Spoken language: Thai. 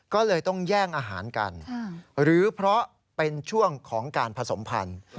ก็เลยต้องแย่งอาหารกันหรือเพราะเป็นช่วงของการผสมพันธุ์